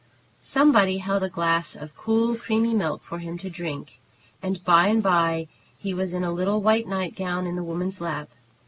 Somebody held a glass of cool, creamy milk for him to drink, and by and by he was in a little white night gown in the woman's lap.